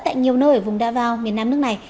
tại nhiều nơi ở vùng davao miền nam nước này